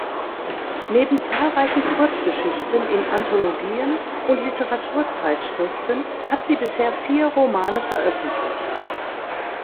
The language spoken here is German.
Neben zahlreichen Kurzgeschichten in Anthologien und Literaturzeitschriften hat sie bisher vier Romane veröffentlicht.